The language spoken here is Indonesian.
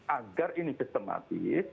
agar ini sistematis